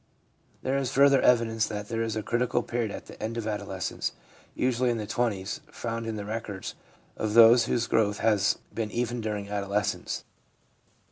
There is further evidence that there is a critical period at the end of adolescence, usually in the twenties, found in the records of those whose Growth has been even during adolescence.